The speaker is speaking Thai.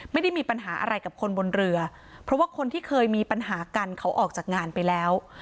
ไม่ได้มีปัญหาอะไรกับคนบนเรือเพราะว่าคนที่เคยมีปัญหากันเขาออกจากงานไปแล้ว